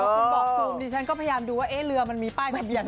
คุณบอกซูมดิฉันก็พยายามดูว่าเรือมันมีป้ายทะเบียน